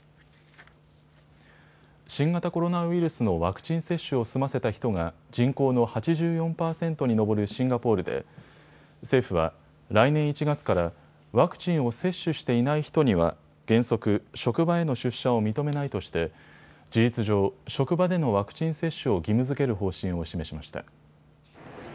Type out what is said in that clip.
新型コロナウイルスのワクチン接種を済ませた人が人口の８４％に上るシンガポールで政府は来年１月からワクチンを接種していない人には原則、職場への出社を認めないとして事実上、職場でのワクチン接種を義務づける方針を示しました。